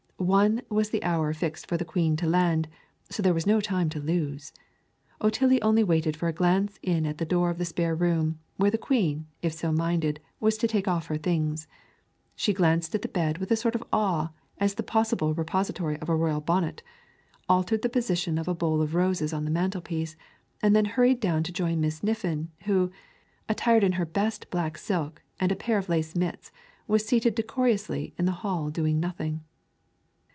One was the hour fixed for the Queen to land, so there was no time to lose. Otillie only waited for a glance in at the door of the spare room, where the Queen, if so minded, was to take off her things. She glanced at the bed with a sort of awe as the possible repository of a royal bonnet, altered the position of a bowl of roses on the mantelpiece, and then hurried down to join Miss Niffin, who, attired in her best black silk and a pair of lace mitts, was seated decorously in the hall doing nothing.